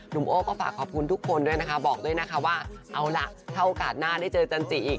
โอ้ก็ฝากขอบคุณทุกคนด้วยนะคะบอกด้วยนะคะว่าเอาล่ะถ้าโอกาสหน้าได้เจอจันจิอีก